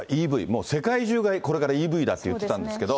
もう世界中がこれからＥＶだって言ってたんですけれども。